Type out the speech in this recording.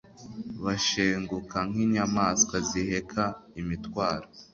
bashenguka nk'inyamaswa ziheka imitwaro,